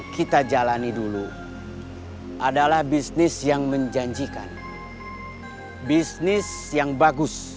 sampai jumpa di video selanjutnya